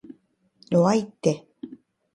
弱いって